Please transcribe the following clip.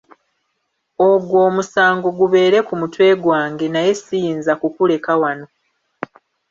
Ogwo omusango gubeere ku mutwe gwange, naye siyinza kukuleka wano.